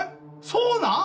そうなん？